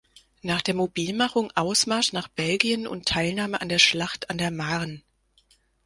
Nach der Mobilmachung Ausmarsch nach Belgien und Teilnahme an der Schlacht an der Marne.